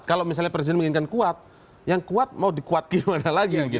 kalau misalnya presiden menginginkan kuat yang kuat mau dikuat gimana lagi